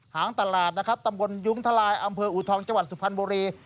หางตลาดนะครับตำบลยุ้งทลายอำเภออูทองจังหวัดสุพรรณบุรี